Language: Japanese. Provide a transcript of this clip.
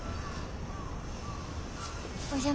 お邪魔。